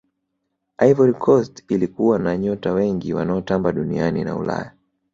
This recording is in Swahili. ivory coast ilikuwa na nyota wengi wanaotamba duniani na ulaya